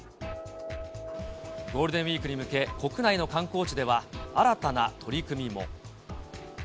ゴールデンウィークに向け、国内の観光地では、新たな取り組みも。